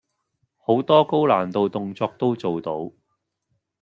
好多高難度動作都做到